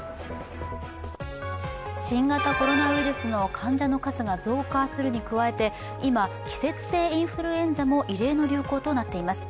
新型コロナウイルスの患者の数が増加するに加えて今、季節性インフルエンザも異例の流行となっています。